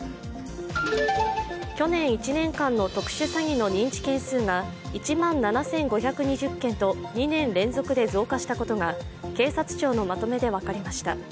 去年１年間の特殊詐欺の認知件数が１万７５２０件と２年連続で増加したことが警察庁のまとめで分かりました。